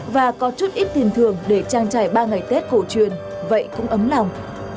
và có chút ít tiền thường để trang trải ba ngày tết cổ truyền vậy cũng ấm lòng